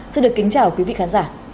xin được kính chào quý vị khán giả